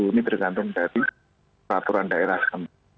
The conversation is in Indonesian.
ini tergantung dari peraturan daerah